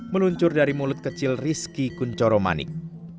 meluncur dari mulut kecil riski kunco romanik